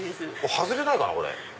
外れないかなこれ。